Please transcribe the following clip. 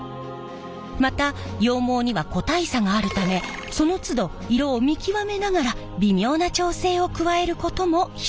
また羊毛には個体差があるためそのつど色を見極めながら微妙な調整を加えることも必要なんです。